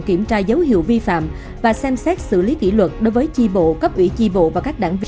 kiểm tra dấu hiệu vi phạm và xem xét xử lý kỷ luật đối với chi bộ cấp ủy chi bộ và các đảng viên